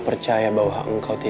sekarang dollsistor selesai mati